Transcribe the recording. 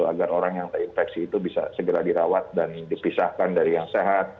agar orang yang terinfeksi itu bisa segera dirawat dan dipisahkan dari yang sehat